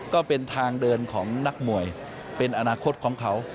ก็เป็นทางเดินของนักมวยเป็นอนาคตของเขา